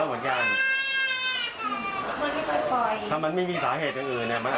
ก็ต้องเอาไปชนสูตรที่โรคพยาบาลครับ